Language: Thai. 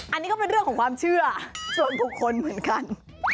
อันนี้ก็เป็นเรื่องของความเชื่อส่วนบุคคลเหมือนกัน